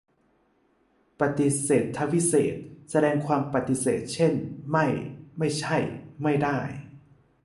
ประติเษธวิเศษณ์ แสดงความปฎิเสธ เช่น ไม่ ไม่ใช่ ไม่ได้